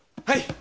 はい。